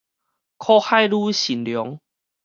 苦海女神龍